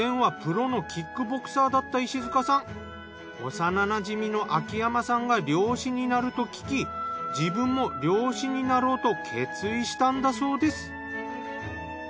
幼馴染みの秋山さんが漁師になると聞き自分も漁師になろうと決意したんだそうです。